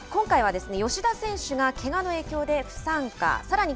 今回は、吉田選手がけがの影響で不参加。